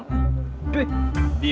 di bumi ini